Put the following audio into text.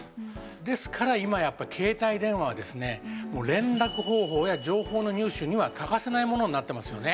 ですから今やっぱ携帯電話はですね連絡方法や情報の入手には欠かせないものになってますよね。